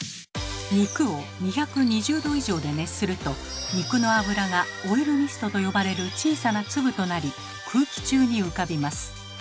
肉を２２０度以上で熱すると肉の油が「オイルミスト」と呼ばれる小さな粒となり空気中に浮かびます。